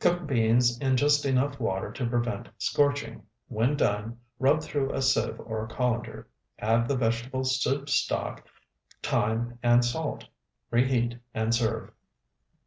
Cook beans in just enough water to prevent scorching. When done rub through a sieve or colander; add the vegetable soup stock, thyme, and salt. Reheat, and serve.